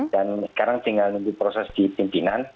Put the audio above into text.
dan sekarang tinggal nunggu proses di pimpinan